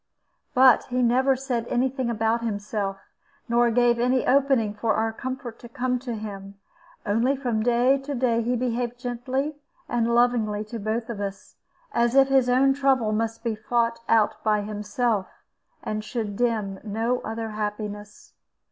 But he never said any thing about himself, nor gave any opening for our comfort to come to him. Only from day to day he behaved gently and lovingly to both of us, as if his own trouble must be fought out by himself, and should dim no other happiness.